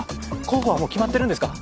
候補はもう決まってるんですか？